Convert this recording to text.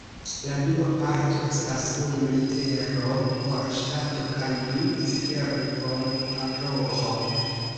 La dua parto estas unu litero por ŝtato kaj du ciferoj por paroĥo.